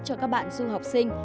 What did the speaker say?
cho các bạn du học sinh